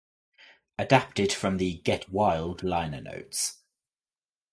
Adapted from the "Get Wild" liner notes.